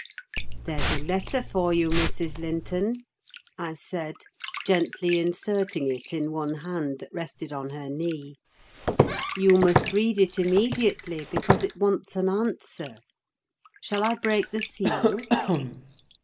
"There's a letter for you, Mrs. Linton," I said, gently inserting it in one hand that rested on her knee. "You must read it immediately, because it wants an answer. Shall I break the seal?"